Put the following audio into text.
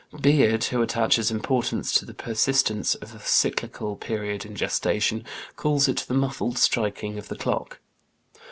Beard, who attaches importance to the persistence of a cyclical period in gestation, calls it the muffled striking of the clock.